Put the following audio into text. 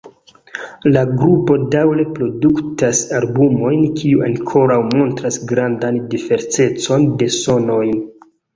La grupo daŭre produktas albumojn kiu ankoraŭ montras grandan diversecon de sonojn.